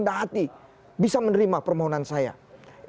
padahal pak jokowi itu ada pengatapan dari wakil ketua umum